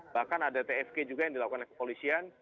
bahkan ada tfg juga yang dilakukan oleh kepolisian